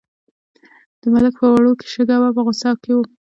د ملک په وړو کې شګه وه په غوسه کې و.